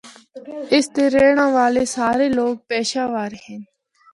اس دے رہنڑا والے سارے لوگ پشہ ور ہن۔